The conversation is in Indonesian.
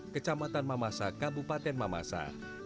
kecamatan mamasa kabupaten mamasa